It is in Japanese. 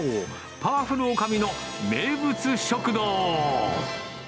パワフル女将の名物食堂。